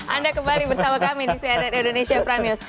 anda kembali bersama kami di cnn indonesia pramis